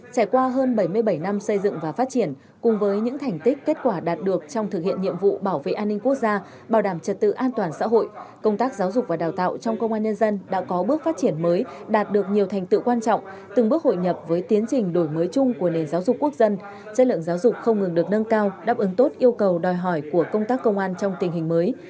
trải qua hơn bảy mươi bảy năm xây dựng và phát triển cùng với những thành tích kết quả đạt được trong thực hiện nhiệm vụ bảo vệ an ninh quốc gia bảo đảm trật tự an toàn xã hội công tác giáo dục và đào tạo trong công an nhân dân đã có bước phát triển mới đạt được nhiều thành tựu quan trọng từng bước hội nhập với tiến trình đổi mới chung của nền giáo dục quốc dân chất lượng giáo dục không ngừng được nâng cao đáp ứng tốt yêu cầu đòi hỏi của công tác công an trong tình hình mới